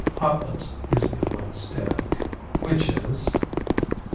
Hotlips gives me a blank stare. "Which is?"